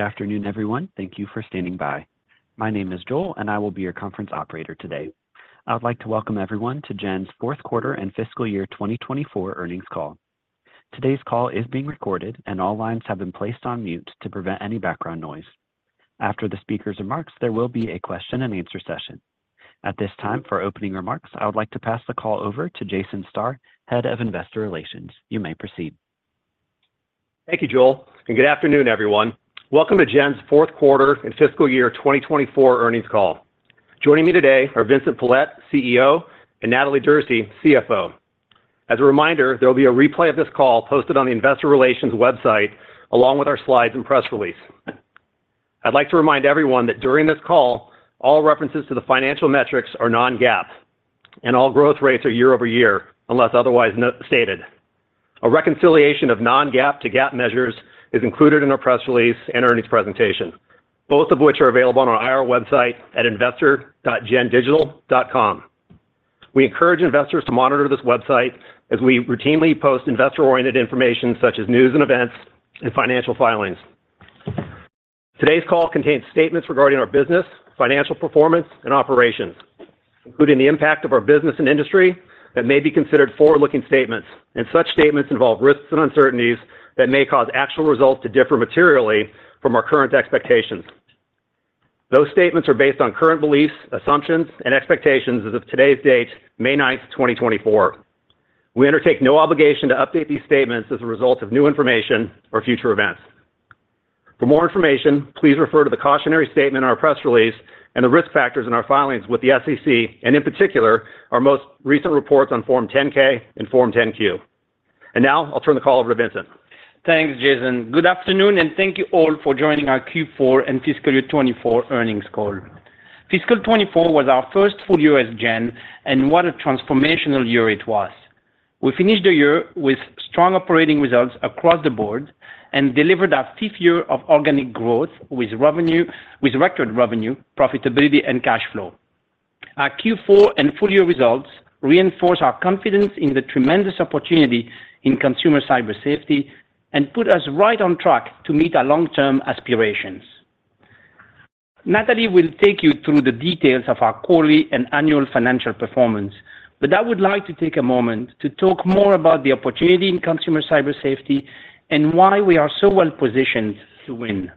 Afternoon, everyone. Thank you for standing by. My name is Joel, and I will be your conference operator today. I'd like to welcome everyone to Gen's Fourth Quarter and Fiscal Year 2024 Earnings Call. Today's call is being recorded, and all lines have been placed on mute to prevent any background noise. After the speaker's remarks, there will be a question-and-answer session. At this time, for opening remarks, I would like to pass the call over to Jason Starr, Head of Investor Relations. You may proceed. Thank you, Joel, and good afternoon, everyone. Welcome to Gen's fourth quarter and fiscal year 2024 earnings call. Joining me today are Vincent Pilette, CEO, and Natalie Derse, CFO. As a reminder, there will be a replay of this call posted on the Investor Relations website along with our slides and press release. I'd like to remind everyone that during this call, all references to the financial metrics are non-GAAP, and all growth rates are year-over-year unless otherwise stated. A reconciliation of non-GAAP to GAAP measures is included in our press release and earnings presentation, both of which are available on our website at investor.gendigital.com. We encourage investors to monitor this website as we routinely post investor-oriented information such as news and events and financial filings. Today's call contains statements regarding our business, financial performance, and operations, including the impact of our business and industry that may be considered forward-looking statements. Such statements involve risks and uncertainties that may cause actual results to differ materially from our current expectations. Those statements are based on current beliefs, assumptions, and expectations as of today's date, May 9th, 2024. We undertake no obligation to update these statements as a result of new information or future events. For more information, please refer to the cautionary statement in our press release and the risk factors in our filings with the SEC and, in particular, our most recent reports on Form 10-K and Form 10-Q. Now I'll turn the call over to Vincent. Thanks, Jason. Good afternoon, and thank you all for joining our Q4 and fiscal year 2024 earnings call. Fiscal 2024 was our first full year as Gen, and what a transformational year it was. We finished the year with strong operating results across the board and delivered our fifth year of organic growth with record revenue, profitability, and cash flow. Our Q4 and full year results reinforce our confidence in the tremendous opportunity in consumer cybersafety and put us right on track to meet our long-term aspirations. Natalie will take you through the details of our quarterly and annual financial performance, but I would like to take a moment to talk more about the opportunity in consumer cybersafety and why we are so well positioned to win.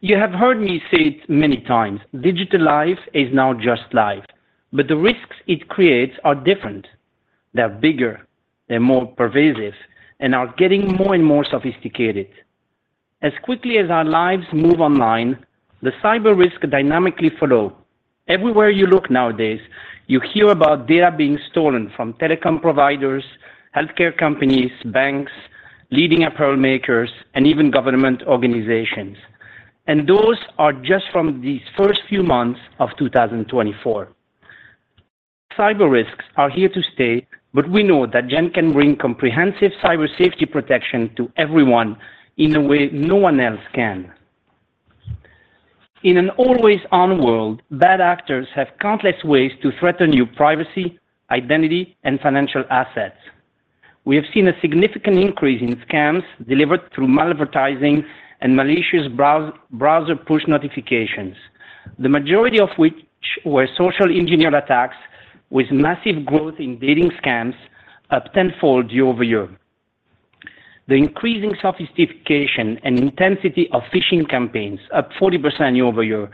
You have heard me say it many times: digital life is now just life. But the risks it creates are different. They're bigger. They're more pervasive and are getting more and more sophisticated. As quickly as our lives move online, the cyber risks dynamically follow. Everywhere you look nowadays, you hear about data being stolen from telecom providers, healthcare companies, banks, leading apparel makers, and even government organizations. Those are just from these first few months of 2024. Cyber risks are here to stay, but we know that Gen can bring comprehensive cybersafety protection to everyone in a way no one else can. In an always-on world, bad actors have countless ways to threaten your privacy, identity, and financial assets. We have seen a significant increase in scams delivered through malvertising and malicious browser push notifications, the majority of which were socially engineered attacks with massive growth in dating scams up tenfold year-over-year. The increasing sophistication and intensity of phishing campaigns, up 40% year-over-year,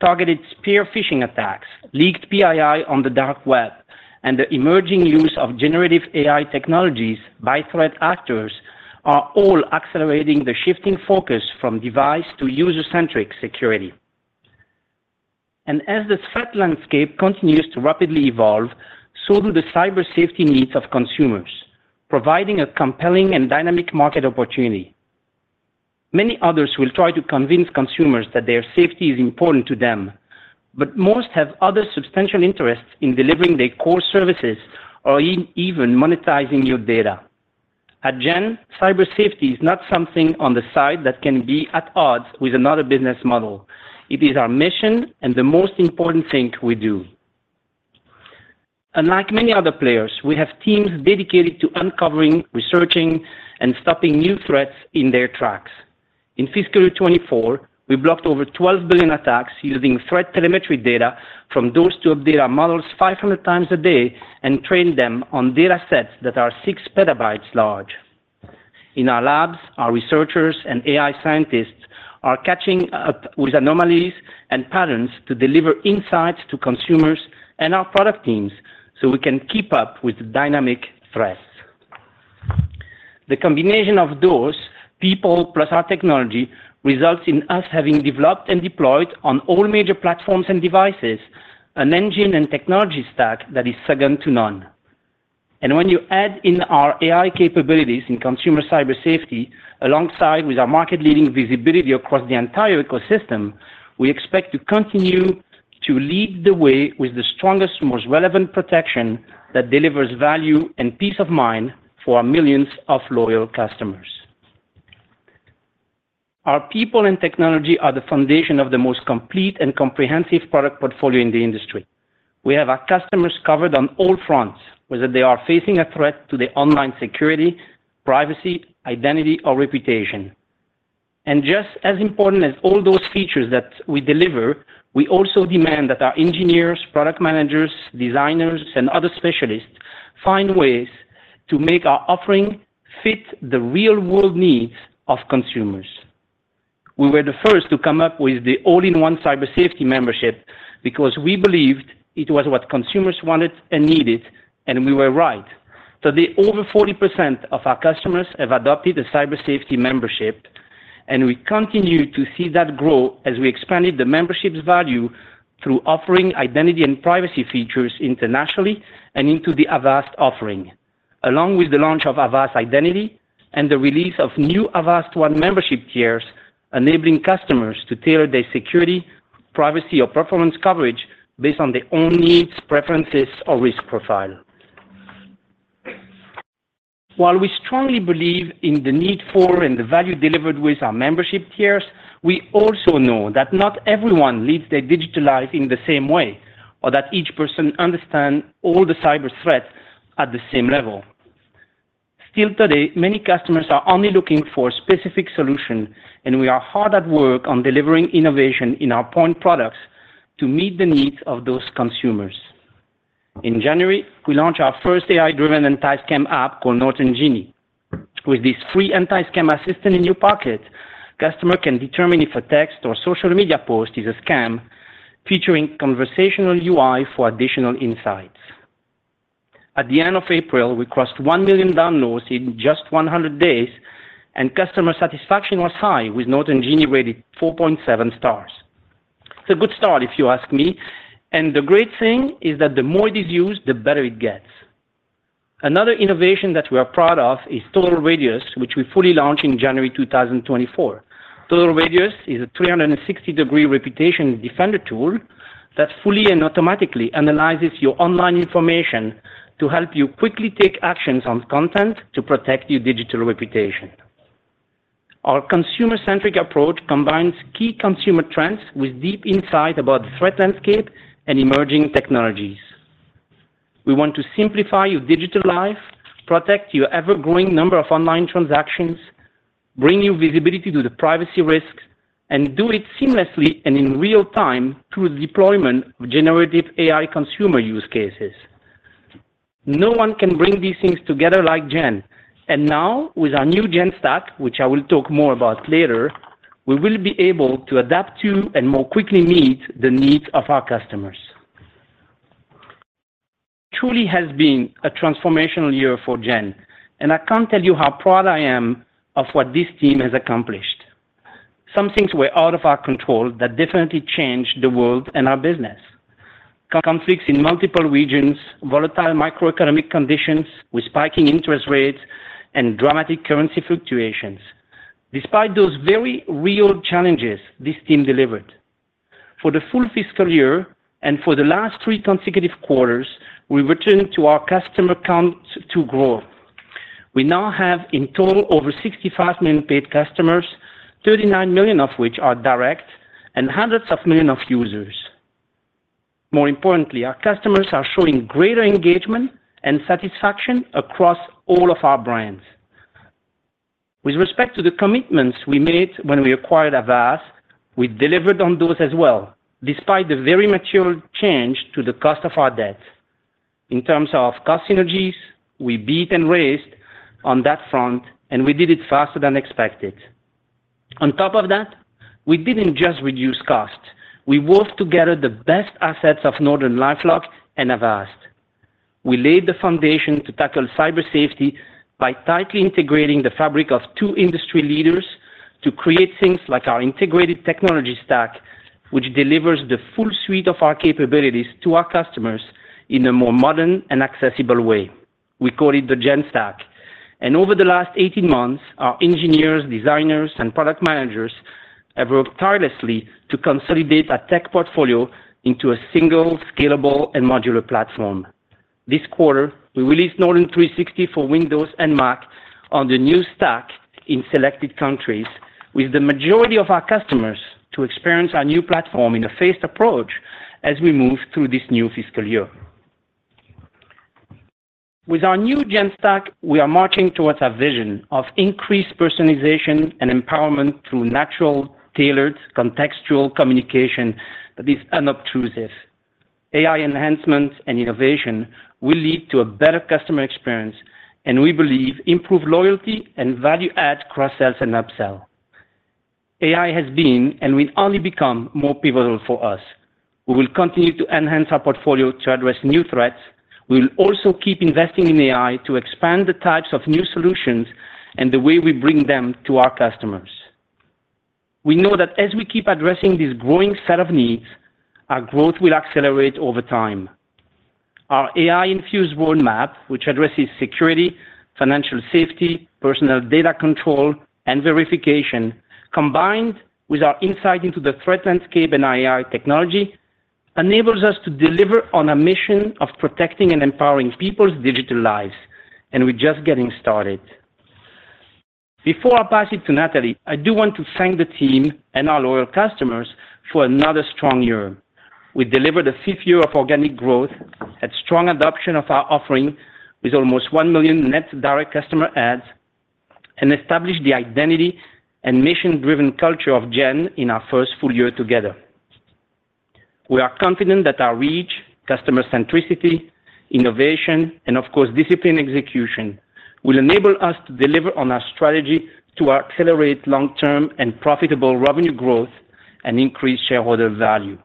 targeted spear phishing attacks, leaked PII on the dark web, and the emerging use of generative AI technologies by threat actors are all accelerating the shifting focus from device-to-user-centric security. As the threat landscape continues to rapidly evolve, so do the cybersafety needs of consumers, providing a compelling and dynamic market opportunity. Many others will try to convince consumers that their safety is important to them, but most have other substantial interests in delivering their core services or even monetizing your data. At Gen, cybersafety is not something on the side that can be at odds with another business model. It is our mission and the most important thing we do. Unlike many other players, we have teams dedicated to uncovering, researching, and stopping new threats in their tracks. In fiscal year 2024, we blocked over 12 billion attacks using threat telemetry data from those to update our models 500 times a day and train them on datasets that are 6 PB large. In our labs, our researchers and AI scientists are catching up with anomalies and patterns to deliver insights to consumers and our product teams so we can keep up with the dynamic threats. The combination of those, people plus our technology, results in us having developed and deployed on all major platforms and devices an engine and technology stack that is second to none. And when you add in our AI capabilities in consumer cybersafety alongside with our market-leading visibility across the entire ecosystem, we expect to continue to lead the way with the strongest, most relevant protection that delivers value and peace of mind for millions of loyal customers. Our people and technology are the foundation of the most complete and comprehensive product portfolio in the industry. We have our customers covered on all fronts, whether they are facing a threat to their online security, privacy, identity, or reputation. Just as important as all those features that we deliver, we also demand that our engineers, product managers, designers, and other specialists find ways to make our offering fit the real-world needs of consumers. We were the first to come up with the all-in-one cybersafety membership because we believed it was what consumers wanted and needed, and we were right. Today, over 40% of our customers have adopted a cybersafety membership, and we continue to see that grow as we expanded the membership's value through offering identity and privacy features internationally and into the Avast offering, along with the launch of Avast Identity and the release of new Avast One membership tiers, enabling customers to tailor their security, privacy, or performance coverage based on their own needs, preferences, or risk profile. While we strongly believe in the need for and the value delivered with our membership tiers, we also know that not everyone leads their digital life in the same way or that each person understands all the cyber threats at the same level. Still today, many customers are only looking for a specific solution, and we are hard at work on delivering innovation in our point products to meet the needs of those consumers. In January, we launched our first AI-driven anti-scam app called Norton Genie. With this free anti-scam assistant in your pocket, customers can determine if a text or social media post is a scam featuring conversational UI for additional insights. At the end of April, we crossed one million downloads in just 100 days, and customer satisfaction was high, with Norton Genie rated 4.7 stars. It's a good start, if you ask me. And the great thing is that the more it is used, the better it gets. Another innovation that we are proud of is Total Reputation, which we fully launched in January 2024. Total Reputation is a 360-degree reputation defender tool that fully and automatically analyzes your online information to help you quickly take actions on content to protect your digital reputation. Our consumer-centric approach combines key consumer trends with deep insight about the threat landscape and emerging technologies. We want to simplify your digital life, protect your ever-growing number of online transactions, bring you visibility to the privacy risks, and do it seamlessly and in real time through the deployment of generative AI consumer use cases. No one can bring these things together like Gen. And now, with our new Gen stack, which I will talk more about later, we will be able to adapt to and more quickly meet the needs of our customers. It truly has been a transformational year for Gen, and I can't tell you how proud I am of what this team has accomplished. Some things were out of our control that definitely changed the world and our business: conflicts in multiple regions, volatile microeconomic conditions with spiking interest rates, and dramatic currency fluctuations. Despite those very real challenges, this team delivered. For the full fiscal year and for the last three consecutive quarters, we returned to our customer counts to grow. We now have, in total, over 65 million paid customers, 39 million of which are direct, and hundreds of millions of users. More importantly, our customers are showing greater engagement and satisfaction across all of our brands. With respect to the commitments we made when we acquired Avast, we delivered on those as well, despite the very material change to the cost of our debt. In terms of cost synergies, we beat and raised on that front, and we did it faster than expected. On top of that, we didn't just reduce costs. We worked together the best assets of Norton LifeLock and Avast. We laid the foundation to tackle cybersafety by tightly integrating the fabric of two industry leaders to create things like our integrated technology stack, which delivers the full suite of our capabilities to our customers in a more modern and accessible way. We call it the Gen stack. Over the last 18 months, our engineers, designers, and product managers have worked tirelessly to consolidate our tech portfolio into a single, scalable, and modular platform. This quarter, we released Norton 360 for Windows and Mac on the new stack in selected countries, with the majority of our customers to experience our new platform in a phased approach as we move through this new fiscal year. With our new Gen stack, we are marching towards our vision of increased personalization and empowerment through natural, tailored, contextual communication that is unobtrusive. AI enhancement and innovation will lead to a better customer experience, and we believe improved loyalty and value add cross-sales and upsell. AI has been, and will only become, more pivotal for us. We will continue to enhance our portfolio to address new threats. We will also keep investing in AI to expand the types of new solutions and the way we bring them to our customers. We know that as we keep addressing this growing set of needs, our growth will accelerate over time. Our AI-infused roadmap, which addresses security, financial safety, personal data control, and verification, combined with our insight into the threat landscape and our AI technology, enables us to deliver on our mission of protecting and empowering people's digital lives. And we're just getting started. Before I pass it to Natalie, I do want to thank the team and our loyal customers for another strong year. We delivered a 5th year of organic growth, had strong adoption of our offering with almost one million net direct customer adds, and established the identity and mission-driven culture of Gen in our first full year together. We are confident that our reach, customer centricity, innovation, and, of course, disciplined execution will enable us to deliver on our strategy to accelerate long-term and profitable revenue growth and increase shareholder value.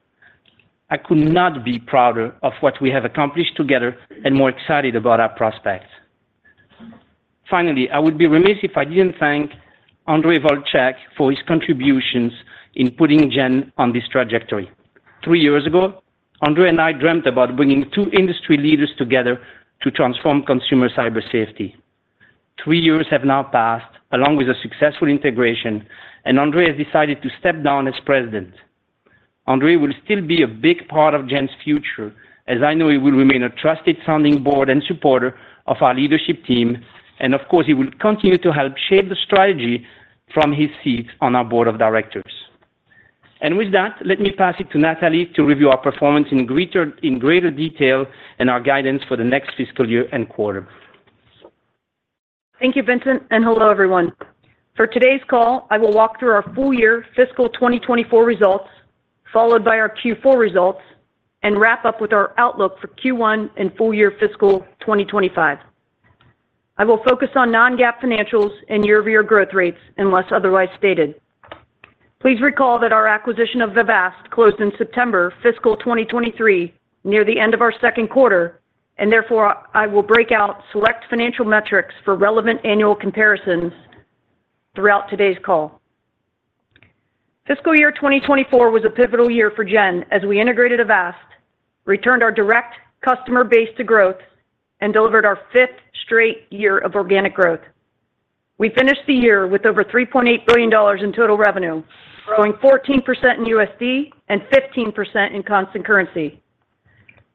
I could not be prouder of what we have accomplished together and more excited about our prospects. Finally, I would be remiss if I didn't thank Ondřej Vlček for his contributions in putting Gen on this trajectory. Three years ago, Ondřej and I dreamt about bringing two industry leaders together to transform consumer cybersafety. Three years have now passed along with a successful integration, and Ondřej has decided to step down as president. Ondřej will still be a big part of Gen's future, as I know he will remain a trusted sounding board and supporter of our leadership team. Of course, he will continue to help shape the strategy from his seat on our board of directors. With that, let me pass it to Natalie to review our performance in greater detail and our guidance for the next fiscal year and quarter. Thank you, Vincent, and hello, everyone. For today's call, I will walk through our full year fiscal 2024 results, followed by our Q4 results, and wrap up with our outlook for Q1 and full year fiscal 2025. I will focus on non-GAAP financials and year-over-year growth rates unless otherwise stated. Please recall that our acquisition of Avast closed in September fiscal 2023 near the end of our second quarter. Therefore, I will break out select financial metrics for relevant annual comparisons throughout today's call. Fiscal year 2024 was a pivotal year for Gen as we integrated Avast, returned our direct customer base to growth, and delivered our fifth straight year of organic growth. We finished the year with over $3.8 billion in total revenue, growing 14% in USD and 15% in constant currency.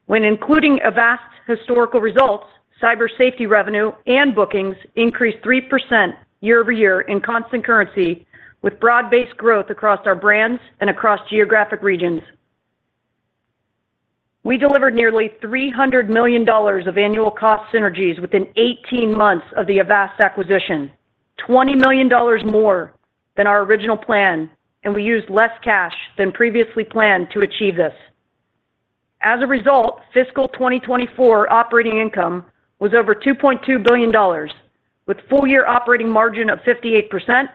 When including Avast's historical results, cybersafety revenue and bookings increased 3% year-over-year in constant currency, with broad-based growth across our brands and across geographic regions. We delivered nearly $300 million of annual cost synergies within 18 months of the Avast acquisition, $20 million more than our original plan. We used less cash than previously planned to achieve this. As a result, fiscal 2024 operating income was over $2.2 billion, with full year operating margin of 58%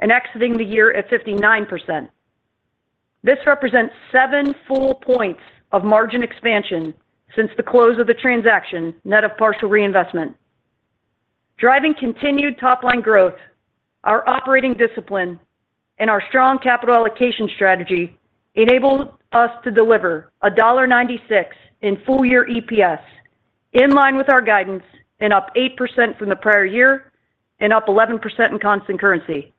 and exiting the year at 59%. This represents seven full points of margin expansion since the close of the transaction, net of partial reinvestment. Driving continued top-line growth, our operating discipline, and our strong capital allocation strategy enabled us to deliver $1.96 in full year EPS, in line with our guidance, and up 8% from the prior year and up 11% in constant currency.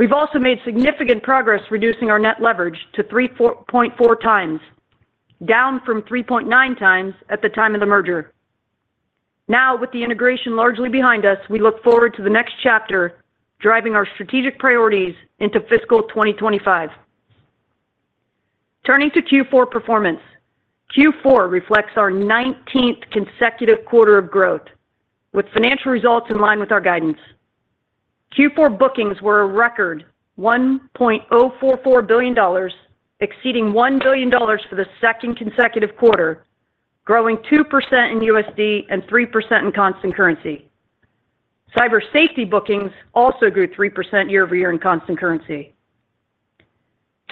We've also made significant progress reducing our net leverage to 3.4 times, down from 3.9 times at the time of the merger. Now, with the integration largely behind us, we look forward to the next chapter, driving our strategic priorities into fiscal 2025. Turning to Q4 performance, Q4 reflects our 19th consecutive quarter of growth, with financial results in line with our guidance. Q4 bookings were a record, $1.044 billion, exceeding $1 billion for the second consecutive quarter, growing 2% in USD and 3% in constant currency. Cybersafety bookings also grew 3% year-over-year in constant currency.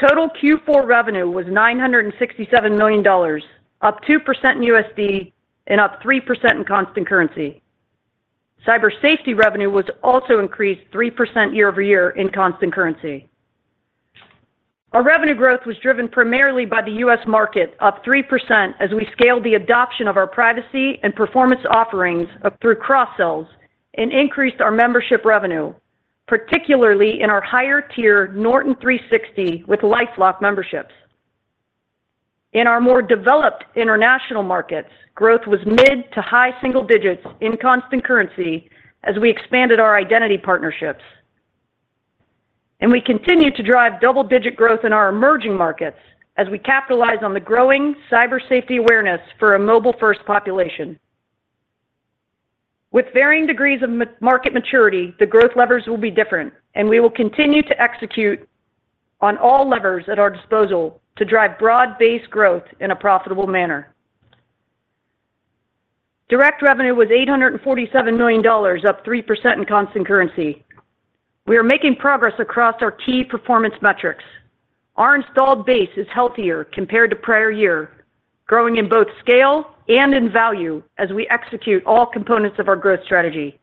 Total Q4 revenue was $967 million, up 2% in USD and up 3% in constant currency. Cybersafety revenue was also increased 3% year-over-year in constant currency. Our revenue growth was driven primarily by the U.S. market, up 3% as we scaled the adoption of our privacy and performance offerings through cross-sell and increased our membership revenue, particularly in our higher-tier Norton 360 with LifeLock memberships. In our more developed international markets, growth was mid to high single digits in constant currency as we expanded our identity partnerships. We continue to drive double-digit growth in our emerging markets as we capitalize on the growing cybersafety awareness for a mobile-first population. With varying degrees of market maturity, the growth levers will be different. We will continue to execute on all levers at our disposal to drive broad-based growth in a profitable manner. Direct revenue was $847 million, up 3% in constant currency. We are making progress across our key performance metrics. Our installed base is healthier compared to prior year, growing in both scale and in value as we execute all components of our growth strategy.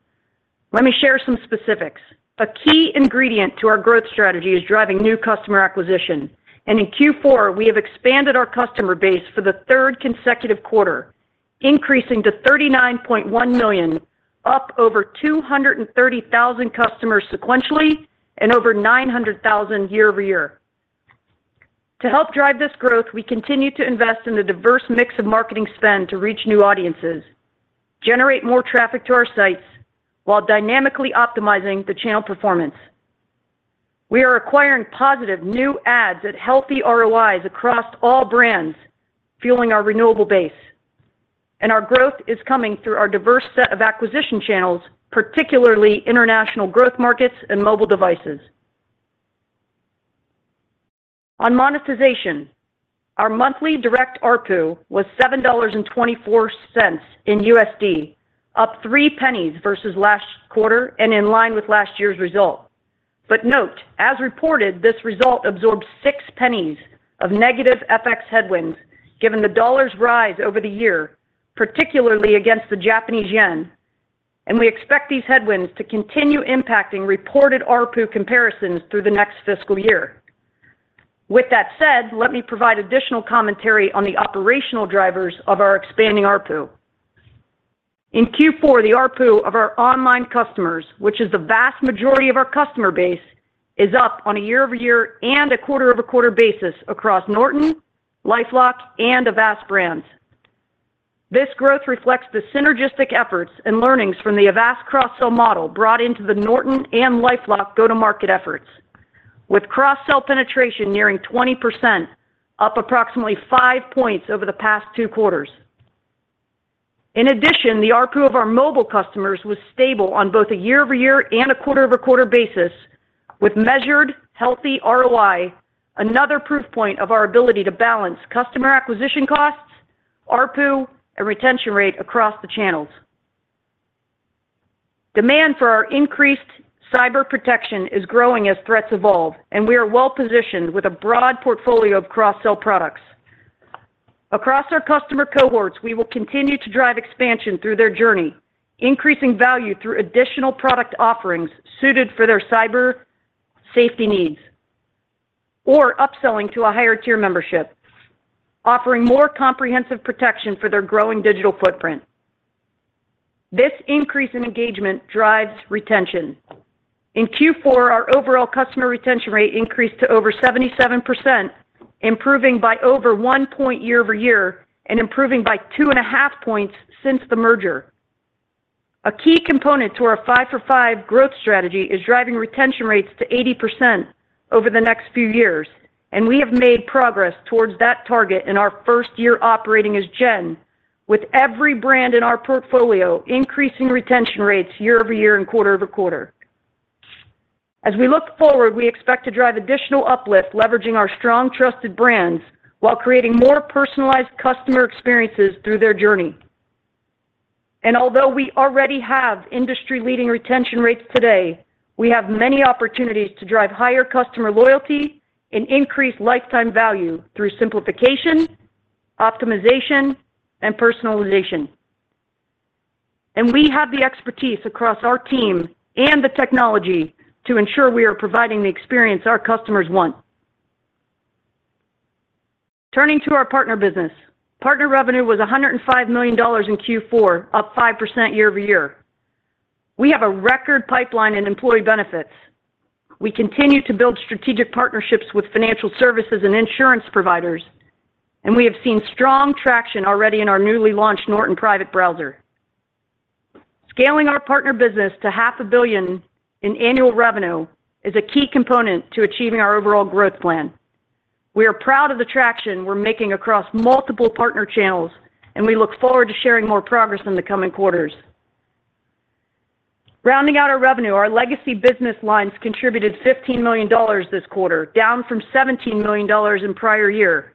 Let me share some specifics. A key ingredient to our growth strategy is driving new customer acquisition. And in Q4, we have expanded our customer base for the third consecutive quarter, increasing to 39.1 million, up over 230,000 customers sequentially and over 900,000 year-over-year. To help drive this growth, we continue to invest in a diverse mix of marketing spend to reach new audiences, generate more traffic to our sites while dynamically optimizing the channel performance. We are acquiring positive new ads at healthy ROIs across all brands, fueling our renewable base. And our growth is coming through our diverse set of acquisition channels, particularly international growth markets and mobile devices. On monetization, our monthly direct ARPU was $7.24 in USD, up $0.03 versus last quarter and in line with last year's result. But note, as reported, this result absorbed $0.06 of negative FX headwinds given the dollar's rise over the year, particularly against the Japanese yen. And we expect these headwinds to continue impacting reported ARPU comparisons through the next fiscal year. With that said, let me provide additional commentary on the operational drivers of our expanding ARPU. In Q4, the ARPU of our online customers, which is the vast majority of our customer base, is up on a year-over-year and a quarter-over-quarter basis across Norton, LifeLock, and Avast brands. This growth reflects the synergistic efforts and learnings from the Avast cross-sell model brought into the Norton and LifeLock go-to-market efforts, with cross-sell penetration nearing 20%, up approximately five points over the past two quarters. In addition, the ARPU of our mobile customers was stable on both a year-over-year and a quarter-over-quarter basis, with measured, healthy ROI, another proof point of our ability to balance customer acquisition costs, ARPU, and retention rate across the channels. Demand for our increased cyber protection is growing as threats evolve. We are well-positioned with a broad portfolio of cross-sell products. Across our customer cohorts, we will continue to drive expansion through their journey, increasing value through additional product offerings suited for their cybersafety needs, or upselling to a higher-tier membership, offering more comprehensive protection for their growing digital footprint. This increase in engagement drives retention. In Q4, our overall customer retention rate increased to over 77%, improving by over one point year over year and improving by two and a half points since the merger. A key component to our five-for-five growth strategy is driving retention rates to 80% over the next few years. We have made progress towards that target in our first year operating as Gen, with every brand in our portfolio increasing retention rates year-over-year and quarter-over-quarter. As we look forward, we expect to drive additional uplift, leveraging our strong, trusted brands while creating more personalized customer experiences through their journey. Although we already have industry-leading retention rates today, we have many opportunities to drive higher customer loyalty and increase lifetime value through simplification, optimization, and personalization. We have the expertise across our team and the technology to ensure we are providing the experience our customers want. Turning to our partner business, partner revenue was $105 million in Q4, up 5% year-over-year. We have a record pipeline in employee benefits. We continue to build strategic partnerships with financial services and insurance providers. We have seen strong traction already in our newly launched Norton Private Browser. Scaling our partner business to $500 million in annual revenue is a key component to achieving our overall growth plan. We are proud of the traction we're making across multiple partner channels. We look forward to sharing more progress in the coming quarters. Rounding out our revenue, our legacy business lines contributed $15 million this quarter, down from $17 million in prior year.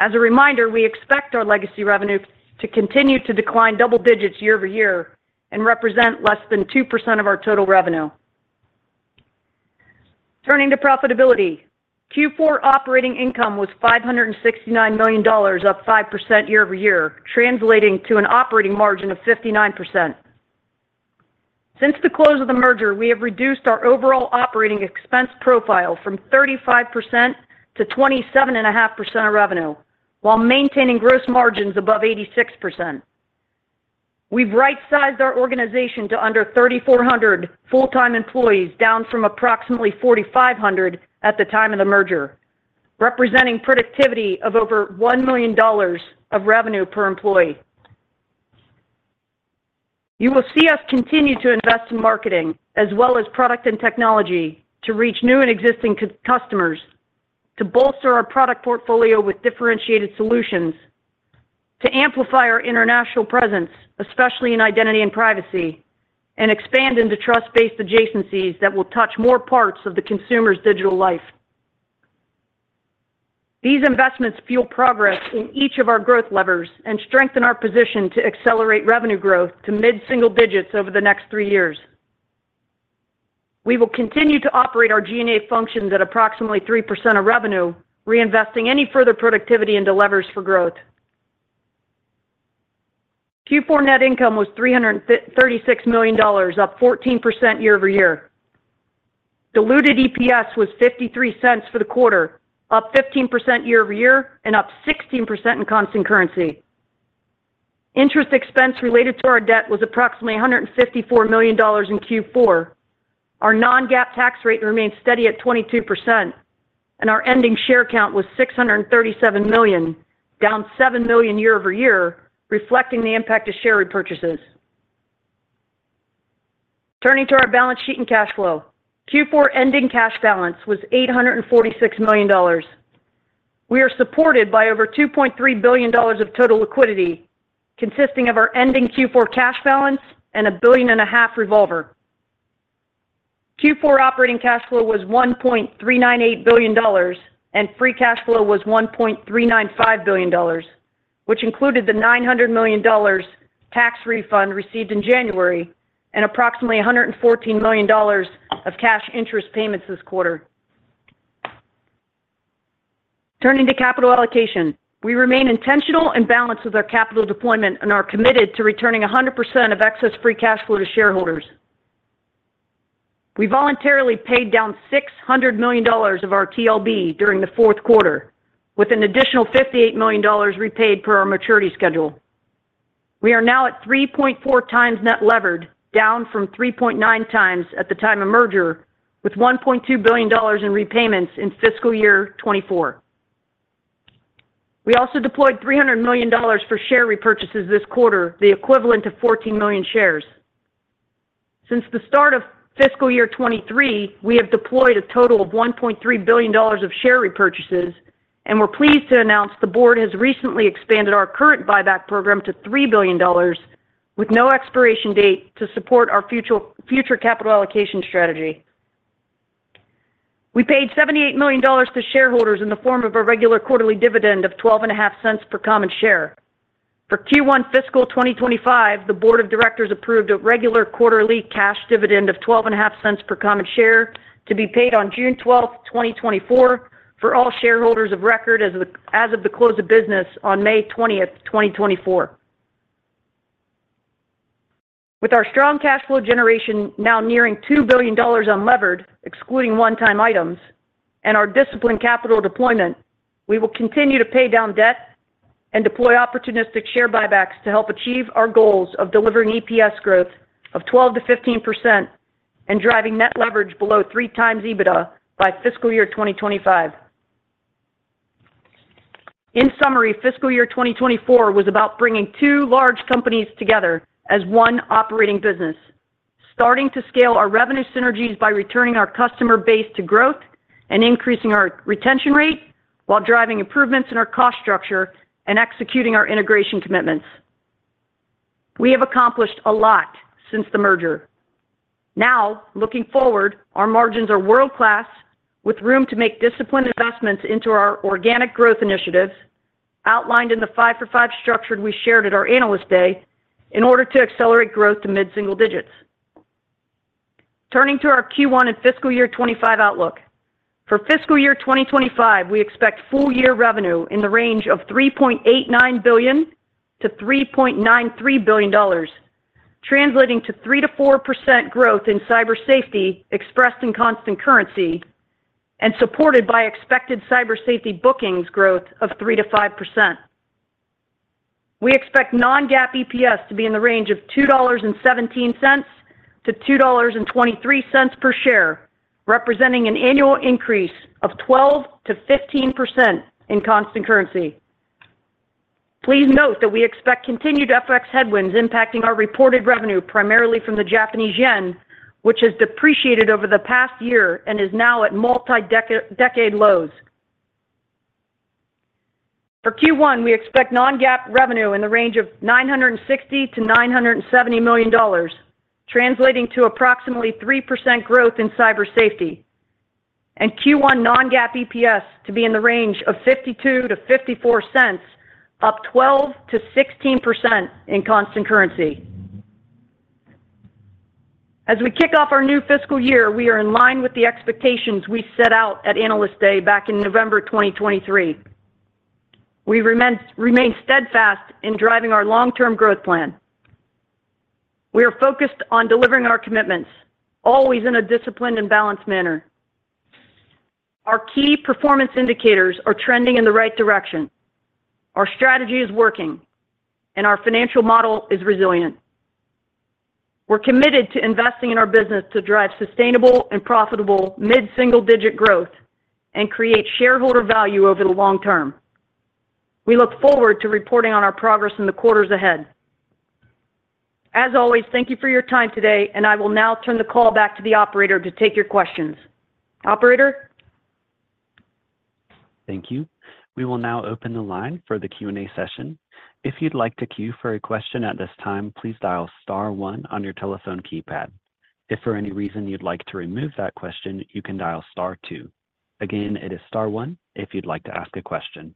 As a reminder, we expect our legacy revenue to continue to decline double digits year-over-year and represent less than 2% of our total revenue. Turning to profitability, Q4 operating income was $569 million, up 5% year-over-year, translating to an operating margin of 59%. Since the close of the merger, we have reduced our overall operating expense profile from 35% to 27.5% of revenue while maintaining gross margins above 86%. We've right-sized our organization to under 3,400 full-time employees, down from approximately 4,500 at the time of the merger, representing productivity of over $1 million of revenue per employee. You will see us continue to invest in marketing as well as product and technology to reach new and existing customers, to bolster our product portfolio with differentiated solutions, to amplify our international presence, especially in identity and privacy, and expand into trust-based adjacencies that will touch more parts of the consumer's digital life. These investments fuel progress in each of our growth levers and strengthen our position to accelerate revenue growth to mid-single digits over the next three years. We will continue to operate our G&A functions at approximately 3% of revenue, reinvesting any further productivity into levers for growth. Q4 net income was $336 million, up 14% year-over-year. Diluted EPS was $0.53 for the quarter, up 15% year-over-year and up 16% in constant currency. Interest expense related to our debt was approximately $154 million in Q4. Our non-GAAP tax rate remained steady at 22%. Our ending share count was 637 million, down seven million year-over-year, reflecting the impact of share repurchases. Turning to our balance sheet and cash flow, Q4 ending cash balance was $846 million. We are supported by over $2.3 billion of total liquidity, consisting of our ending Q4 cash balance and $1.5 billion revolver. Q4 operating cash flow was $1.398 billion, and free cash flow was $1.395 billion, which included the $900 million tax refund received in January and approximately $114 million of cash interest payments this quarter. Turning to capital allocation, we remain intentional in balance with our capital deployment and are committed to returning 100% of excess free cash flow to shareholders. We voluntarily paid down $600 million of our TLB during the fourth quarter, with an additional $58 million repaid per our maturity schedule. We are now at 3.4x net leverage, down from 3.9x at the time of merger, with $1.2 billion in repayments in fiscal year 2024. We also deployed $300 million for share repurchases this quarter, the equivalent of 14 million shares. Since the start of fiscal year 2023, we have deployed a total of $1.3 billion of share repurchases. We're pleased to announce the board has recently expanded our current buyback program to $3 billion, with no expiration date, to support our future capital allocation strategy. We paid $78 million to shareholders in the form of a regular quarterly dividend of $0.125 per common share. For Q1 fiscal 2025, the board of directors approved a regular quarterly cash dividend of $0.125 per common share to be paid on June 12th, 2024, for all shareholders of record as of the close of business on May 20th, 2024. With our strong cash flow generation now nearing $2 billion unlevered, excluding one-time items, and our disciplined capital deployment, we will continue to pay down debt and deploy opportunistic share buybacks to help achieve our goals of delivering EPS growth of 12%-15% and driving net leverage below three times EBITDA by fiscal year 2025. In summary, fiscal year 2024 was about bringing two large companies together as one operating business, starting to scale our revenue synergies by returning our customer base to growth and increasing our retention rate while driving improvements in our cost structure and executing our integration commitments. We have accomplished a lot since the merger. Now, looking forward, our margins are world-class, with room to make disciplined investments into our organic growth initiatives outlined in the five-for-five structure we shared at our analyst day in order to accelerate growth to mid-single digits. Turning to our Q1 and fiscal year 2025 outlook, for fiscal year 2025, we expect full-year revenue in the range of $3.89 billion-$3.93 billion, translating to 3%-4% growth in cybersafety expressed in constant currency and supported by expected cybersafety bookings growth of 3%-5%. We expect non-GAAP EPS to be in the range of $2.17-$2.23 per share, representing an annual increase of 12%-15% in constant currency. Please note that we expect continued FX headwinds impacting our reported revenue, primarily from the Japanese yen, which has depreciated over the past year and is now at multi-decade lows. For Q1, we expect non-GAAP revenue in the range of $960 million-$970 million, translating to approximately 3% growth in cybersafety, and Q1 non-GAAP EPS to be in the range of $0.52-$0.54, up 12%-16% in constant currency. As we kick off our new fiscal year, we are in line with the expectations we set out at analyst day back in November 2023. We remain steadfast in driving our long-term growth plan. We are focused on delivering our commitments, always in a disciplined and balanced manner. Our key performance indicators are trending in the right direction. Our strategy is working. Our financial model is resilient. We're committed to investing in our business to drive sustainable and profitable mid-single digit growth and create shareholder value over the long term. We look forward to reporting on our progress in the quarters ahead. As always, thank you for your time today. I will now turn the call back to the operator to take your questions. Operator? Thank you. We will now open the line for the Q&A session. If you'd like to cue for a question at this time, please dial star one on your telephone keypad. If for any reason you'd like to remove that question, you can dial star two. Again, it is star one if you'd like to ask a question.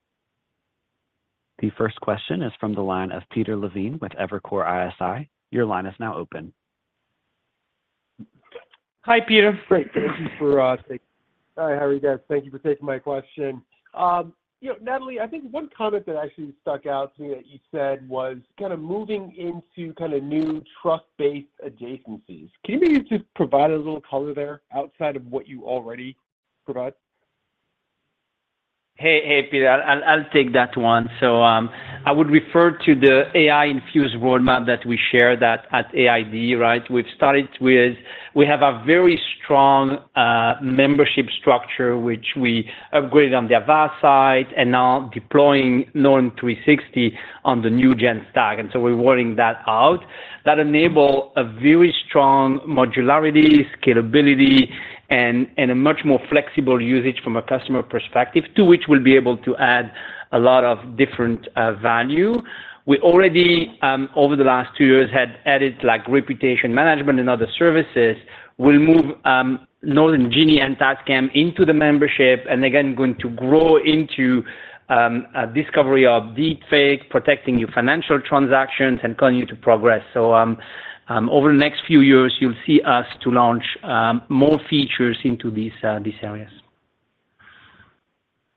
The first question is from the line of Peter Levine with Evercore ISI. Your line is now open. Hi, Peter. Great. Thank you for taking. Hi. How are you guys? Thank you for taking my question. Natalie, I think one comment that actually stuck out to me that you said was kind of moving into kind of new trust-based adjacencies. Can you maybe just provide a little color there outside of what you already provide? Hey, Peter. I'll take that one. So I would refer to the AI-infused roadmap that we shared at AID, right? We have a very strong membership structure, which we upgraded on the Avast side and now deploying Norton 360 on the new Gen stack. And so we're rolling that out. That enabled a very strong modularity, scalability, and a much more flexible usage from a customer perspective, to which we'll be able to add a lot of different value. We already, over the last two years, had added reputation management and other services. We'll move Norton Genie and text scam into the membership and, again, going to grow into discovery of deepfake, protecting your financial transactions, and continuing to progress. So over the next few years, you'll see us launch more features into these areas.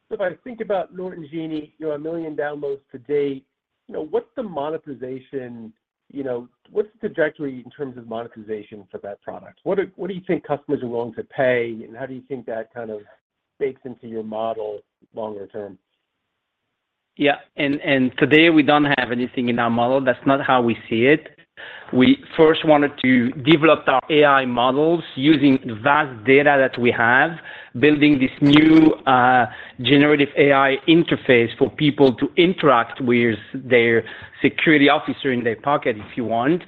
So if I think about Norton Genie, you're 1 million downloads to date. What's the monetization? What's the trajectory in terms of monetization for that product? What do you think customers are willing to pay? And how do you think that kind of bakes into your model longer term? Yeah. Today, we don't have anything in our model. That's not how we see it. We first wanted to develop our AI models using vast data that we have, building this new generative AI interface for people to interact with their security officer in their pocket, if you want.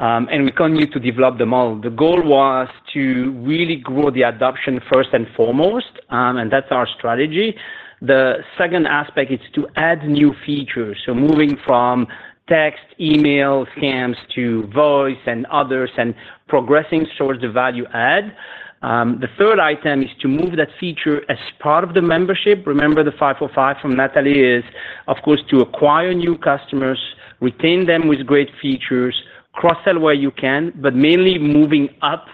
We continue to develop the model. The goal was to really grow the adoption first and foremost. That's our strategy. The second aspect is to add new features, so moving from text, email, scams to voice and others and progressing towards the value add. The third item is to move that feature as part of the membership. Remember, the five for five from Natalie is, of course, to acquire new customers, retain them with great features, cross-sell where you can, but mainly moving up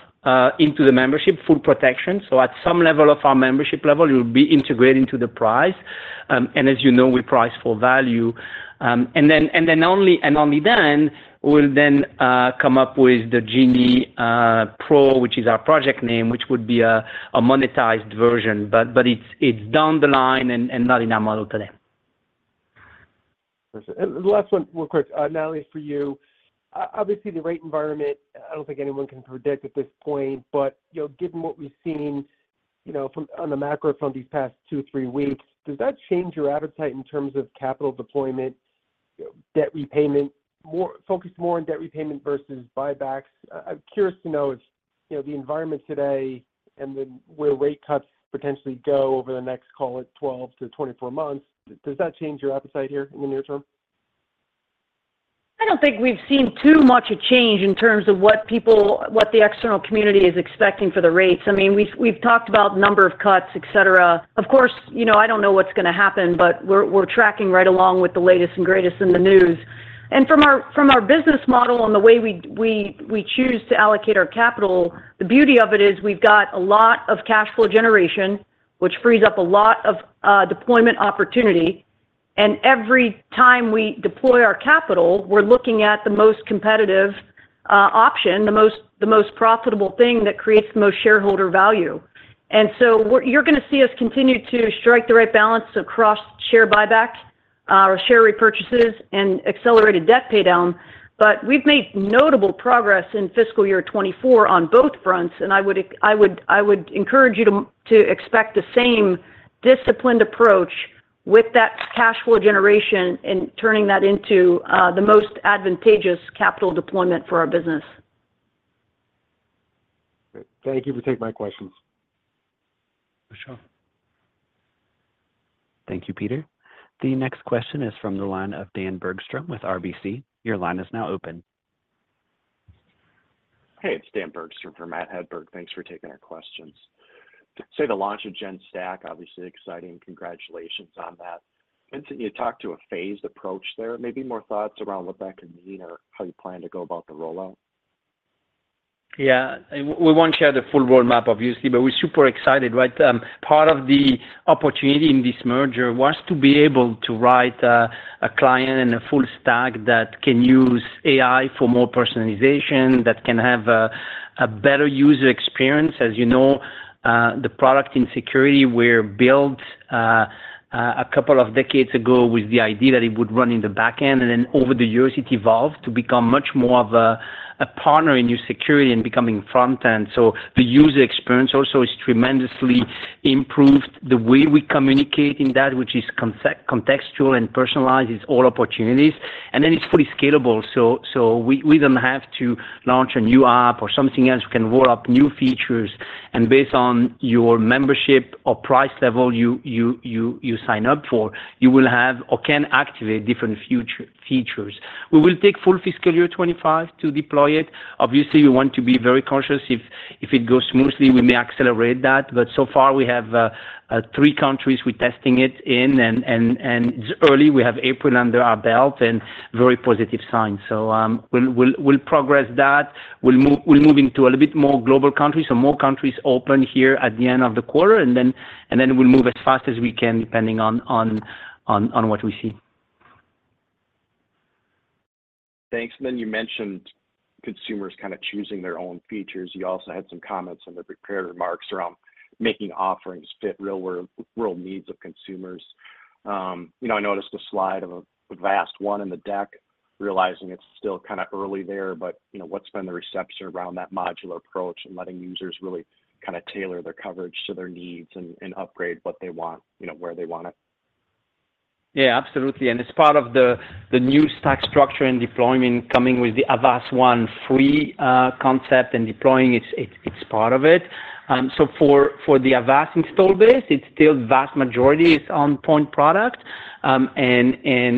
into the membership, full protection. So at some level of our membership level, it will be integrated into the price. And as you know, we price for value. And then only then we'll then come up with the Genie Pro, which is our project name, which would be a monetized version. But it's down the line and not in our model today. Perfect. And the last one, real quick, Natalie, for you. Obviously, the rate environment, I don't think anyone can predict at this point. But given what we've seen on the macro from these past two to three weeks, does that change your appetite in terms of capital deployment, debt repayment, focus more on debt repayment versus buybacks? I'm curious to know if the environment today and then where rate cuts potentially go over the next, call it, 12-24 months, does that change your appetite here in the near term? I don't think we've seen too much a change in terms of what the external community is expecting for the rates. I mean, we've talked about number of cuts, etc. Of course, I don't know what's going to happen. But we're tracking right along with the latest and greatest in the news. And from our business model and the way we choose to allocate our capital, the beauty of it is we've got a lot of cash flow generation, which frees up a lot of deployment opportunity. And every time we deploy our capital, we're looking at the most competitive option, the most profitable thing that creates the most shareholder value. And so you're going to see us continue to strike the right balance across share buyback or share repurchases and accelerated debt paydown. But we've made notable progress in fiscal year 2024 on both fronts. I would encourage you to expect the same disciplined approach with that cash flow generation and turning that into the most advantageous capital deployment for our business. Great. Thank you for taking my questions. For sure. Thank you, Peter. The next question is from the line of Dan Bergstrom with RBC. Your line is now open. Hey. It's Dan Bergstrom from Matt Hedberg. Thanks for taking our questions. So the launch of Gen stack, obviously exciting. Congratulations on that. Vincent, you talked to a phased approach there. Maybe more thoughts around what that could mean or how you plan to go about the rollout? Yeah. We won't share the full roadmap, obviously. But we're super excited, right? Part of the opportunity in this merger was to be able to write a client and a full stack that can use AI for more personalization, that can have a better user experience. As you know, the product in security, we were built a couple of decades ago with the idea that it would run in the backend. And then over the years, it evolved to become much more of a partner in your security and becoming frontend. So the user experience also has tremendously improved the way we communicate in that, which is contextual and personalizes all opportunities. And then it's fully scalable. So we don't have to launch a new app or something else. We can roll up new features. Based on your membership or price level you sign up for, you will have or can activate different features. We will take full fiscal year 2025 to deploy it. Obviously, we want to be very conscious. If it goes smoothly, we may accelerate that. But so far, we have three countries we're testing it in. It's early. We have April under our belt and very positive signs. We'll progress that. We'll move into a little bit more global countries, so more countries open here at the end of the quarter. Then we'll move as fast as we can, depending on what we see. Thanks. Then you mentioned consumers kind of choosing their own features. You also had some comments and the prepared remarks around making offerings fit real world needs of consumers. I noticed a slide of Avast One in the deck, realizing it's still kind of early there. But what's been the reception around that modular approach and letting users really kind of tailor their coverage to their needs and upgrade what they want, where they want it? Yeah. Absolutely. As part of the new stack structure and deployment coming with the Avast One Free concept and deploying, it's part of it. So for the Avast install base, it's still vast majority is on-point product. And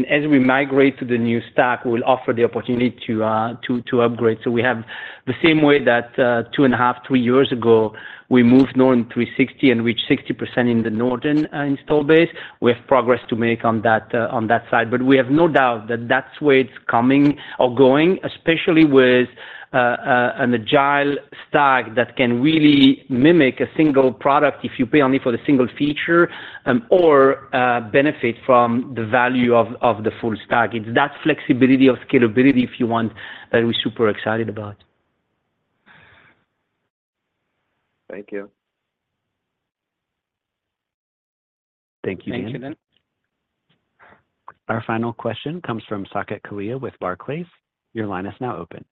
as we migrate to the new stack, we'll offer the opportunity to upgrade. So we have the same way that two and half, three years ago, we moved Norton 360 and reached 60% in the Norton install base. We have progress to make on that side. But we have no doubt that that's where it's coming or going, especially with an agile stack that can really mimic a single product if you pay only for the single feature or benefit from the value of the full stack. It's that flexibility of scalability, if you want, that we're super excited about. Thank you. Thank you, Dan. Thank you, Dan. Our final question comes from Saket Kalia with Barclays. Your line is now open.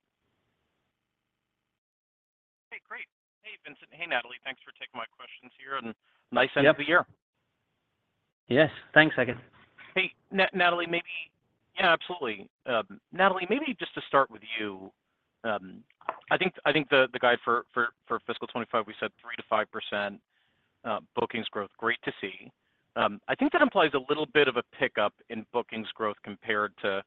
Hey. Great. Hey, Vincent. Hey, Natalie. Thanks for taking my questions here. And nice end of the year. Yes. Thanks, Saket. Hey, Natalie. Yeah. Absolutely. Natalie, maybe just to start with you. I think the guide for fiscal 2025, we said 3%-5% bookings growth. Great to see. I think that implies a little bit of a pickup in bookings growth compared to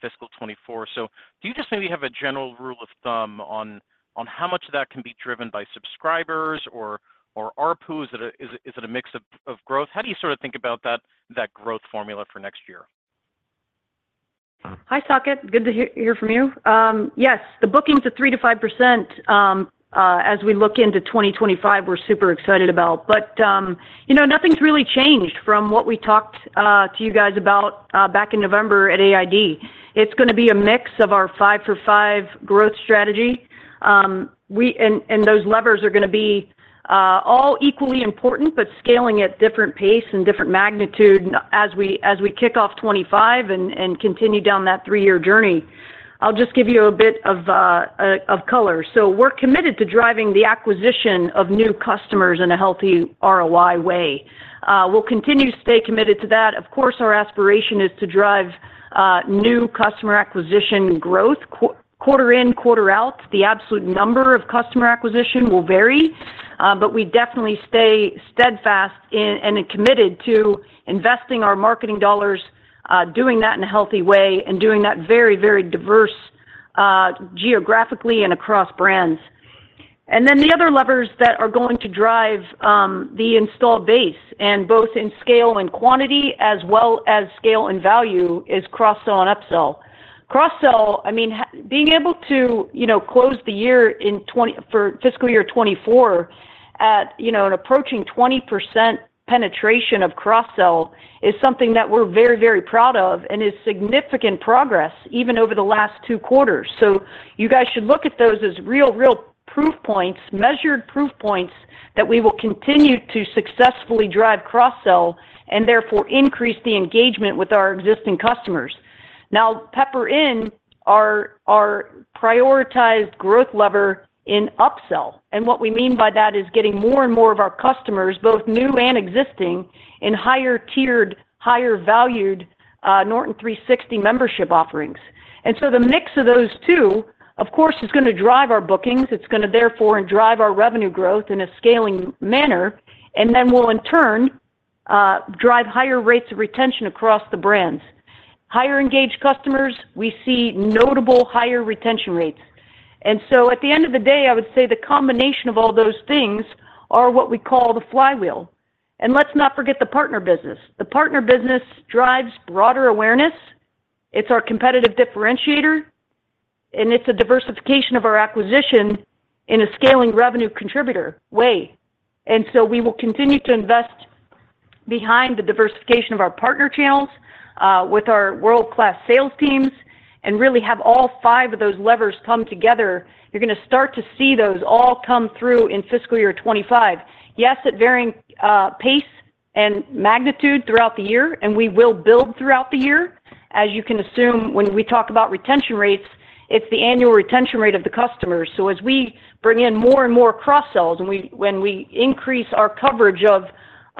fiscal 2024. So do you just maybe have a general rule of thumb on how much of that can be driven by subscribers or ARPU? Is it a mix of growth? How do you sort of think about that growth formula for next year? Hi, Saket. Good to hear from you. Yes. The bookings at 3%-5%, as we look into 2025, we're super excited about. But nothing's really changed from what we talked to you guys about back in November at AID. It's going to be a mix of our five for five growth strategy. And those levers are going to be all equally important, but scaling at different pace and different magnitude as we kick off 2025 and continue down that three-year journey. I'll just give you a bit of color. So we're committed to driving the acquisition of new customers in a healthy ROI way. We'll continue to stay committed to that. Of course, our aspiration is to drive new customer acquisition growth quarter in, quarter out. The absolute number of customer acquisition will vary. But we definitely stay steadfast and committed to investing our marketing dollars, doing that in a healthy way, and doing that very, very diverse geographically and across brands. And then the other levers that are going to drive the install base, and both in scale and quantity as well as scale and value, is cross-sell and upsell. Cross-sell, I mean, being able to close the year in for fiscal year 2024 at an approaching 20% penetration of cross-sell is something that we're very, very proud of and is significant progress, even over the last two quarters. So you guys should look at those as real, real proof points, measured proof points that we will continue to successfully drive cross-sell and, therefore, increase the engagement with our existing customers. Now, pepper in our prioritized growth lever in upsell. And what we mean by that is getting more and more of our customers, both new and existing, in higher-tiered, higher-valued Norton 360 membership offerings. And so the mix of those two, of course, is going to drive our bookings. It's going to, therefore, drive our revenue growth in a scaling manner. And then we'll, in turn, drive higher rates of retention across the brands. Higher engaged customers, we see notable higher retention rates. And so at the end of the day, I would say the combination of all those things are what we call the flywheel. And let's not forget the partner business. The partner business drives broader awareness. It's our competitive differentiator. And it's a diversification of our acquisition in a scaling revenue contributor way. So we will continue to invest behind the diversification of our partner channels with our world-class sales teams and really have all five of those levers come together. You're going to start to see those all come through in fiscal year 2025. Yes, at varying pace and magnitude throughout the year. We will build throughout the year. As you can assume, when we talk about retention rates, it's the annual retention rate of the customers. So as we bring in more and more cross-sells and when we increase our coverage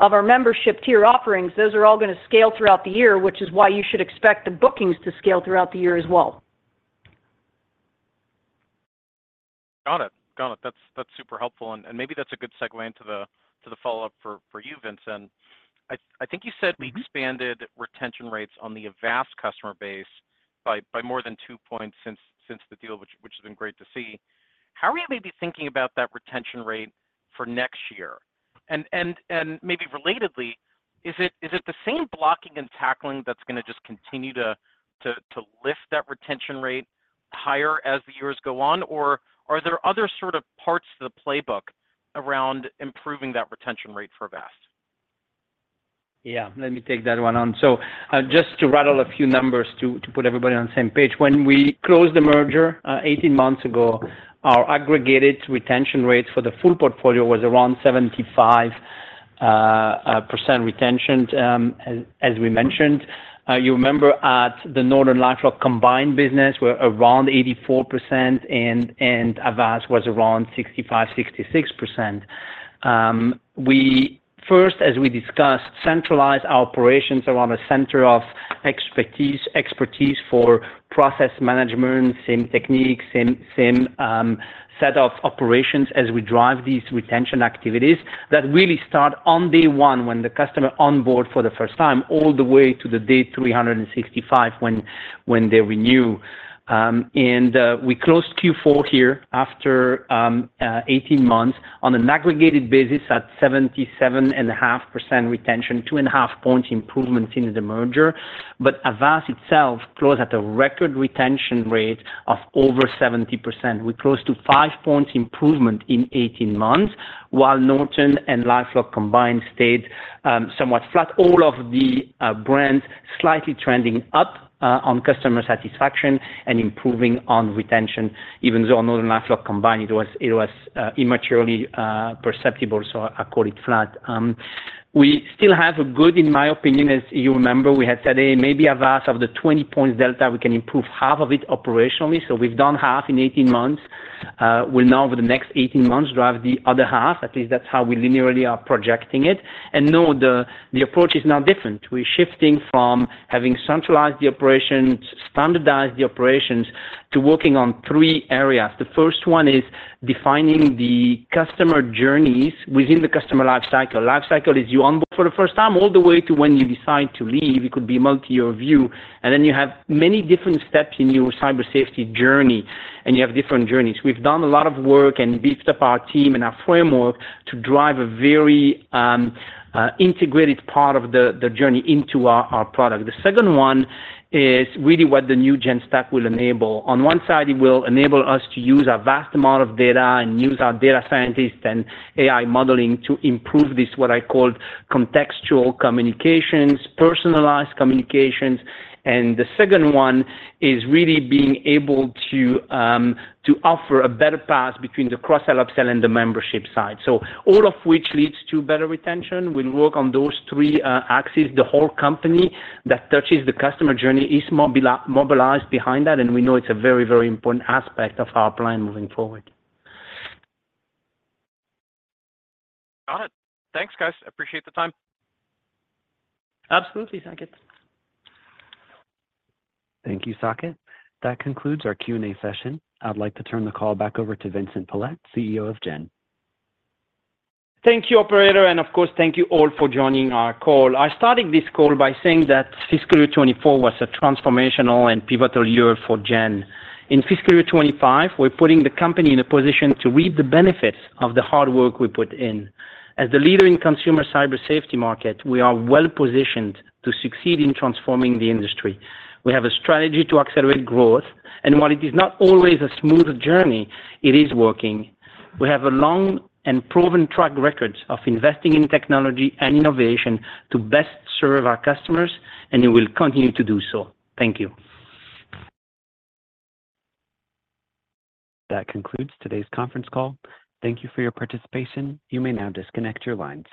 of our membership tier offerings, those are all going to scale throughout the year, which is why you should expect the bookings to scale throughout the year as well. Got it. Got it. That's super helpful. And maybe that's a good segue into the follow-up for you, Vincent. I think you said we expanded retention rates on the Avast customer base by more than two points since the deal, which has been great to see. How are you maybe thinking about that retention rate for next year? And maybe relatedly, is it the same blocking and tackling that's going to just continue to lift that retention rate higher as the years go on? Or are there other sort of parts to the playbook around improving that retention rate for Avast? Yeah. Let me take that one on. So just to rattle a few numbers to put everybody on the same page. When we closed the merger 18 months ago, our aggregated retention rate for the full portfolio was around 75% retention, as we mentioned. You remember at the NortonLifeLock combined business, we're around 84%. And Avast was around 65%-66%. First, as we discussed, centralize our operations around a center of expertise for process management, same technique, same set of operations as we drive these retention activities that really start on day one when the customer onboard for the first time, all the way to the day 365 when they renew. And we closed Q4 here after 18 months on an aggregated basis at 77.5% retention, 2.5 points improvements in the merger. But Avast itself closed at a record retention rate of over 70%. We closed to five points improvement in 18 months, while Norton and LifeLock combined stayed somewhat flat, all of the brands slightly trending up on customer satisfaction and improving on retention. Even though on Norton LifeLock combined, it was imperceptibly perceptible. So I call it flat. We still have a good, in my opinion, as you remember, we had said, "Hey, maybe Avast, of the 20 points delta, we can improve half of it operationally." So we've done half in 18 months. We'll now, over the next 18 months, drive the other half. At least that's how we linearly are projecting it. And no, the approach is now different. We're shifting from having centralized the operations, standardized the operations, to working on 3 areas. The first one is defining the customer journeys within the customer lifecycle. Lifecycle is you onboard for the first time, all the way to when you decide to leave. It could be multi-year view. Then you have many different steps in your cybersafety journey. You have different journeys. We've done a lot of work and beefed up our team and our framework to drive a very integrated part of the journey into our product. The second one is really what the new Gen stack will enable. On one side, it will enable us to use a vast amount of data and use our data scientists and AI modeling to improve this, what I called, contextual communications, personalized communications. The second one is really being able to offer a better path between the cross-sell, upsell, and the membership side, so all of which leads to better retention. We'll work on those three axes. The whole company that touches the customer journey is mobilized behind that. We know it's a very, very important aspect of our plan moving forward. Got it. Thanks, guys. Appreciate the time. Absolutely, Saket. Thank you, Saket. That concludes our Q&A session. I'd like to turn the call back over to Vincent Pilette, CEO of Gen. Thank you, operator. And of course, thank you all for joining our call. I started this call by saying that fiscal year 2024 was a transformational and pivotal year for Gen. In fiscal year 2025, we're putting the company in a position to reap the benefits of the hard work we put in. As the leader in consumer cybersafety market, we are well-positioned to succeed in transforming the industry. We have a strategy to accelerate growth. And while it is not always a smooth journey, it is working. We have a long and proven track record of investing in technology and innovation to best serve our customers. And we will continue to do so. Thank you. That concludes today's conference call. Thank you for your participation. You may now disconnect your lines.